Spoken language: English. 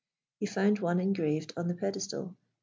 He found one engraved on the pedestal.